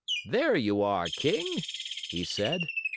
"There you are, king," he said.